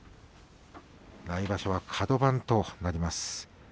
来場所はカド番となります。